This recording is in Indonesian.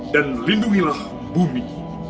dan lindungilah bumi